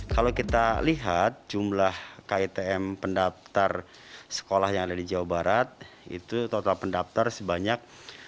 kalau kita lihat jumlah kitm pendaptar sekolah yang ada di jawa barat itu total pendaptar sebanyak delapan puluh lima empat ratus empat puluh dua